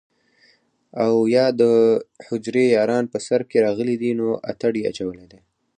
او يا دحجرې ياران په سر کښې راغلي دي نو اتڼ يې اچولے دے